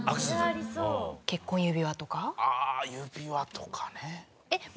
あ指輪とかね。